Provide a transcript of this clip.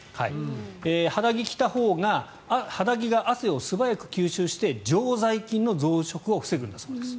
肌着を着たほうが肌着が汗を素早く吸収して常在菌の増殖を防ぐんだそうです。